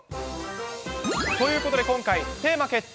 ということで今回、テーマ決定。